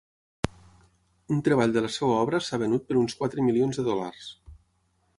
Un treball de la seva obra s'ha venut per uns quatre milions de dòlars.